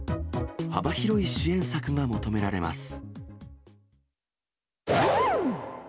幅広い支援策が求められます。